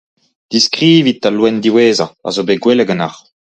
Deskrivit al loen diwezhañ a zo bet gwelet ganeoc'h ?